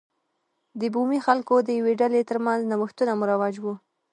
د بومي خلکو د یوې ډلې ترمنځ نوښتونه مروج و.